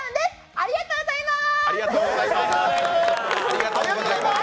ありがとうございます。